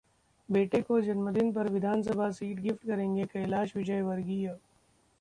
बेटे को जन्मदिन पर विधानसभा सीट गिफ्ट करेंगे कैलाश विजयवर्गीय